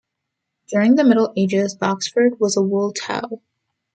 During the Middle Ages, Boxford was a wool tow.